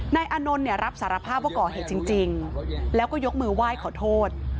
นายอานนท์เนี่ยรับสารภาพว่าก่อเหตุจริงแล้วก็ยกมือไหว้ขอโทษ